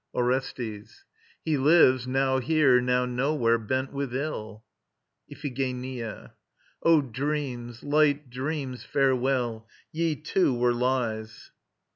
ORESTES. He lives, now here, now nowhere, bent with ill. IPHIGENIA. O dreams, light dreams, farewell! Ye too were lies.